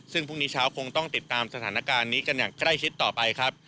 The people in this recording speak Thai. ซึ่งพรุ่งนี้เช้าคงต้องติดตามสถานการณ์นี้กันอย่างใกล้ชิดต่อไปครับ